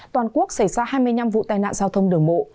toàn quốc xảy ra hai mươi năm vụ tai nạn giao thông đường bộ